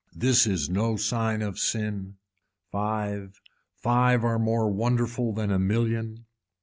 This is no sign of sin. Five, five are more wonderful than a million.